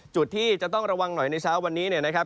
จุดที่จะต้องระวังหน่อยในเช้าวันนี้เนี่ยนะครับ